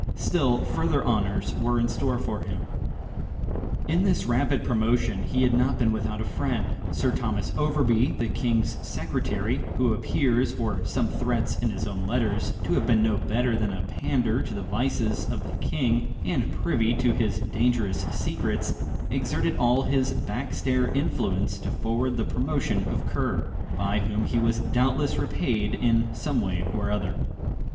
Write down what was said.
Still further honours were in store for him. In this rapid promotion he had not been without a friend. Sir Thomas Overbury, the king's secretary who appears, from some threats in his own letters, to have been no better than a pander to the vices of the king, and privy to his dangerous secrets exerted all his backstair influence to forward the promotion of Kerr, by whom he was doubtless repaid in some way or other.